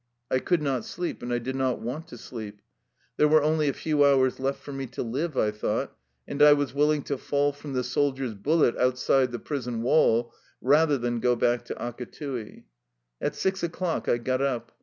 I could not sleep, and I did not want to sleep. There were only a few hours left for me to live, I thought, and I was willing to fall from the soldier's bullet outside the prison wall rather than go back to Akattii. At six o'clock I got up.